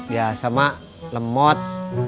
ya sama lemot